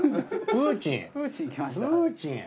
プーチン。